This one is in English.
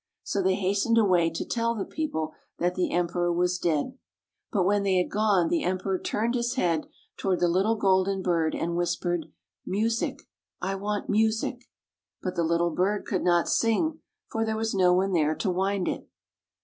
So they hastened away to tell the people that the Emperor was dead. But when they had gone, the Emperor turned his head toward the little golden bird and whispered, "Music: I want music." But the httle bird could not sing, for there was no one there to wind it.